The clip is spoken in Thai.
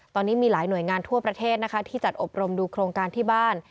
ตอนนี้มีหลายหน่วยงานทั่วประเทศนะคะที่จัดอบรมดูโครงการที่บ้าน